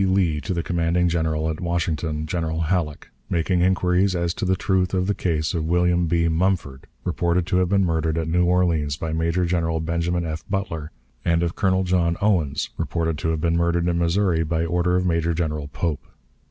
Lee to the commanding General at Washington, General Halleck, making inquiries as to the truth of the case of William B. Mumford, reported to have been murdered at New Orleans by Major General Benjamin F. Butler, and of Colonel John Owens, reported to have been murdered in Missouri by order of Major General Pope.